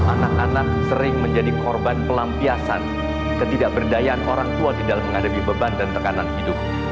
anak anak sering menjadi korban pelampiasan ketidakberdayaan orang tua di dalam menghadapi beban dan tekanan hidup